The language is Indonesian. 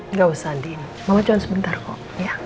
nggak usah din mama cuma sebentar kok